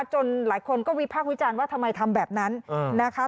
จนหลายคนก็วิพากษ์วิจารณ์ว่าทำไมทำแบบนั้นนะคะ